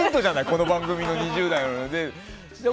この番組の２０代の男性。